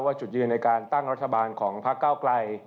จุดยืนในการตั้งรัฐบาลของพักเก้าไกล